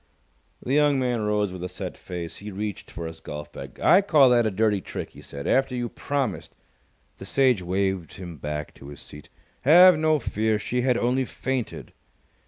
The young man rose with a set face. He reached for his golf bag. "I call that a dirty trick," he said, "after you promised " The Sage waved him back to his seat. "Have no fear! She had only fainted."